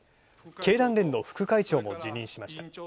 経団連の副会長も辞任しました。